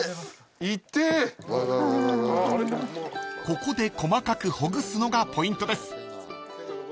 ［ここで細かくほぐすのがポイントです］